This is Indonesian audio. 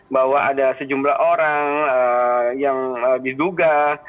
bahwa ada sejumlah orang yang diduga